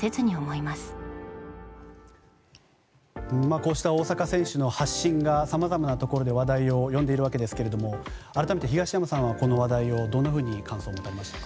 こうした大坂選手の発信がさまざまなところで話題を呼んでいますが改めて東山さんはこの話題にどのような感想を持たれましたか？